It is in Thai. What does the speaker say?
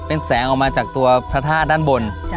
เป็นแสงออกมาจากตัวพระธาตุด้านบน